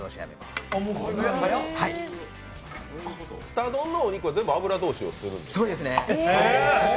すた丼のお肉は全部油通しをするんですか？